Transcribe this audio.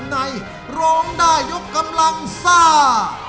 ในร้องได้ยกกำลังซ่า